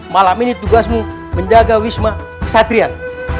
malam ini tugasmu menjaga wisma kesatrian